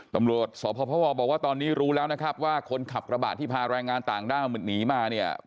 ตำรวจสพพวบอกว่าตอนนี้รู้แล้วนะครับว่าคนขับกระบะที่พาแรงงานต่างด้าวหนีมาเนี่ย